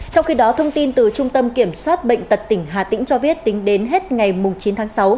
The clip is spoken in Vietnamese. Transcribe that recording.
trong khi đó thông tin từ trung tâm kiểm soát bệnh tật tỉnh hà tĩnh cho biết tính đến hết ngày chín tháng sáu